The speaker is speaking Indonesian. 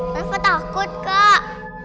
kenapa takut kak